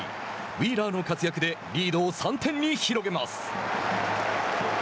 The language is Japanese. ウィーラーの活躍でリードを３点に広げます。